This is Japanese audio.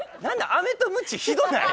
アメとムチひどない？